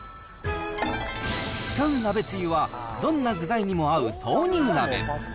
使う鍋つゆは、どんな具材にも合う豆乳鍋。